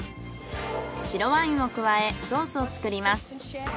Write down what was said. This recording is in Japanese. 白ワインを加えソースを作ります。